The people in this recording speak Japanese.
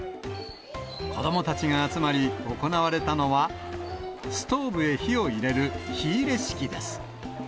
子どもたちが集まり、行われたのは、ストーブへ火を入れる火入れ式です。